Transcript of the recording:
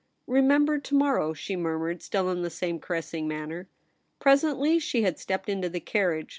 ' Remember to morrow,' she murmured, still in the same caressing manner. Presently she had stepped into the carriage.